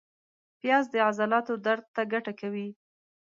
پیاز د عضلاتو درد ته ګټه کوي